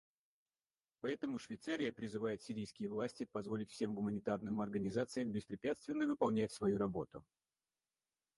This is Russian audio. Поэтому Швейцария призывает сирийские власти позволить всем гуманитарным организациям беспрепятственно выполнять свою работу.